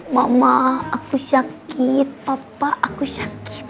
mama aku sakit papa aku sakit